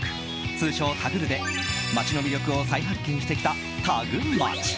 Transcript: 通称タグるで街の魅力を再発見してきたタグマチ。